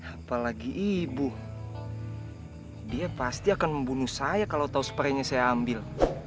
apalagi ibu dia pasti akan membunuh saya kalau tau spraynya saya ambil